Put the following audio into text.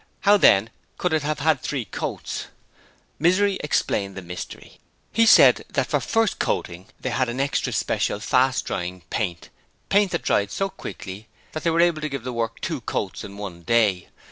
How then could it have had three coats? Misery explained the mystery: he said that for first coating they had an extra special very fast drying paint paint that dried so quickly that they were able to give the work two coats in one day.